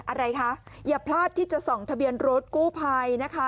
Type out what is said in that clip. อะไรคะอย่าพลาดที่จะส่องทะเบียนรถกู้ภัยนะคะ